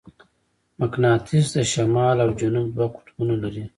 مقناطیس د شمال او جنوب دوه قطبونه لري.